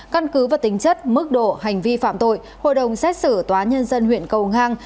căn cứ và tính chất mức độ hành vi phạm tội hội đồng xét xử tòa nhân dân huyện cầu ngang